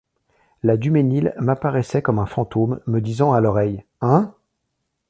La Dumesnil m'apparaissait comme un fantôme, me disant à l'oreille : «Hein !